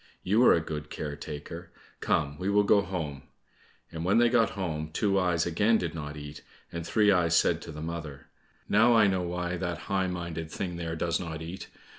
You are a good care taker! Come, we will go home." And when they got home, Two eyes again did not eat, and Three eyes said to the mother, "Now, I know why that high minded thing there does not eat.